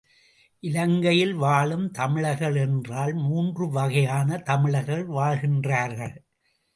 இலங்கையில் வாழும் தமிழர்கள் என்றால் மூன்று வகையான தமிழர்கள் வாழ்கின்றார்கள்.